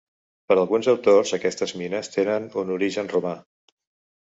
Per alguns autors aquestes mines tenen un origen romà.